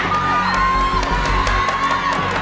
โทษให้โทษให้โทษให้โทษให้โทษให้โทษให้